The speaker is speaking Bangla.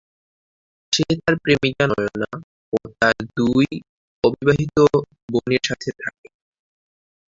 সে তার প্রেমিকা নয়না এবং তার দুই অবিবাহিত বোনের সাথে থাকে।